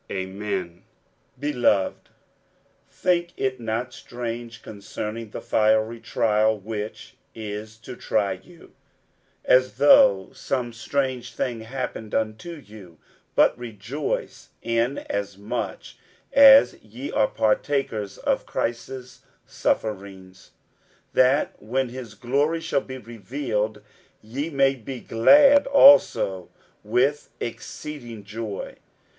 Amen. 60:004:012 Beloved, think it not strange concerning the fiery trial which is to try you, as though some strange thing happened unto you: 60:004:013 But rejoice, inasmuch as ye are partakers of Christ's sufferings; that, when his glory shall be revealed, ye may be glad also with exceeding joy.